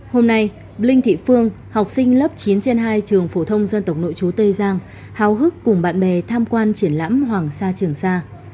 hôm nay linh thị phương học sinh lớp chín trên hai trường phổ thông dân tộc nội chú tây giang hào hức cùng bạn bè tham quan triển lãm hoàng sa trường sa